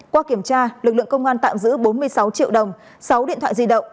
qua kiểm tra lực lượng công an tạm giữ bốn mươi sáu triệu đồng sáu điện thoại di động